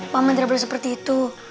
paman tidak boleh seperti itu